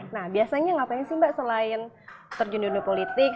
nah biasanya ngapain sih mbak selain terjun dunia politik